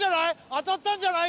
当たったんじゃない？